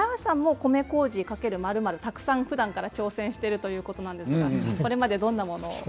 米こうじ×○○たくさんふだんから挑戦しているということですがこれまでどんなものを？